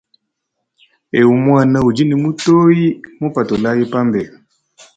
Ewu muana udi ne mitoyi mupatulayi pambelu.